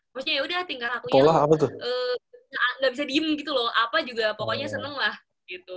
maksudnya ya udah tinggal aku yang nggak bisa diem gitu loh apa juga pokoknya seneng lah gitu